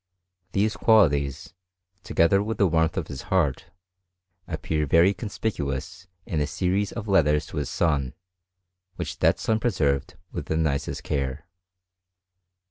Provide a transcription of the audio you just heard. These qualities, to gether with the warmth of his heart, appear very con spicuous in a series of letters to his son, which that son preserved with the nicest care.